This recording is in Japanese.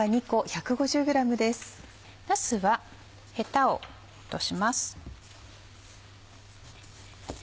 なすはヘタを落とします。